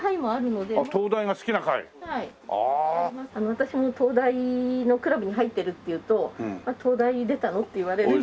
私も灯台のクラブに入ってるって言うと「東大出たの？」って言われるんですけど。